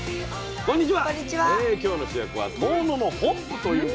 こんにちは。